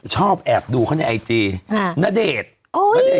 ชอบแอบดูเขาในไอจีณเดชโอ้ย